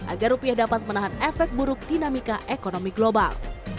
agar rupiah dapat menahan efek buruk dinamika ekonomi global